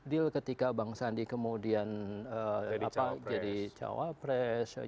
deal ketika bang sandi kemudian jadi cawapres